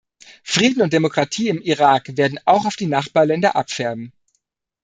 Frieden und Demokratie im Irak werden auch auf die Nachbarländer abfärben.